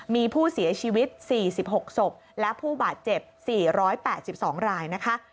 มีผู้เสียชีวิต๔๖ศพและผู้บาดเจ็บ๔๘๒รายนะคะ